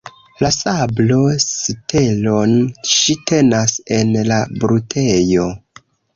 La sablo-sitelon ŝi tenas en la brutejo.